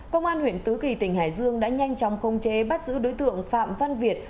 công an huyện tứ kỳ tỉnh hải dương đã nhanh chóng không chế bắt giữ đối tượng phạm văn việt